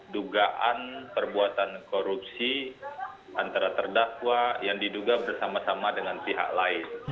dugaan perbuatan korupsi antara terdakwa yang diduga bersama sama dengan pihak lain